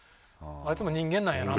あいつも人間なんやな。